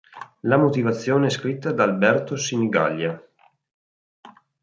La motivazione scritta da Alberto Sinigaglia.